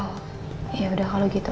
oh yaudah kalau gitu